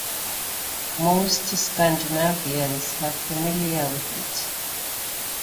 Most Scandinavians are familiar with it.